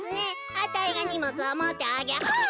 あたいがにもつをもってあげハッ！